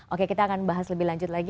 oke kita akan bahas lebih lanjut lagi